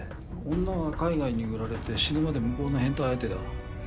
女は海外に売られて死ぬまで向こうの変態相手だ。